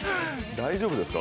大丈夫ですか？